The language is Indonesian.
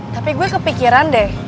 tapi gue kepikiran deh